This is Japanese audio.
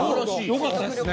よかったですね。